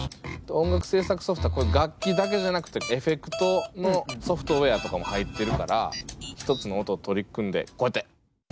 音楽制作ソフトは楽器だけじゃなくてエフェクトのソフトウエアとかも入ってるから１つの音取り込んでこうやって。